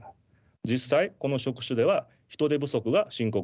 実際この職種では人手不足が深刻です。